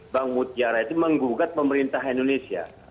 bang mutiara itu menggugat pemerintah indonesia